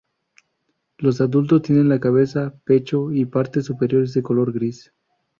Los adultos tienen la cabeza, pecho y partes superiores de color gris.